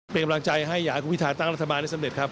เป็นกำลังใจให้อยากให้คุณพิทาตั้งรัฐบาลได้สำเร็จครับ